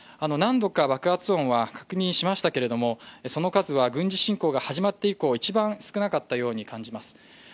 何度か爆発音は確認しましたけれども、その数は軍事侵攻が始まって以降、一番少なかったように感じます。